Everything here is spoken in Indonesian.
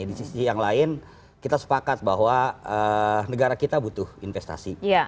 di sisi yang lain kita sepakat bahwa negara kita butuh investasi